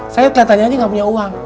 saya keliatannya aja gak punya uang